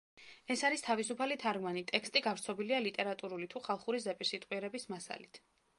ეს არის თავისუფალი თარგმანი, ტექსტი გავრცობილია ლიტერატურული თუ ხალხური ზეპირსიტყვიერების მასალით.